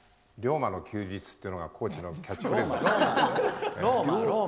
「龍馬の休日」っていうのが高知のキャッチフレーズですから。